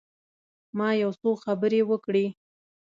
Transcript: ما یو څو خبرې وکړې.